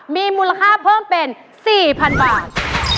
มีมูลค่าเพิ่มเป็น๔๐๐๐บาท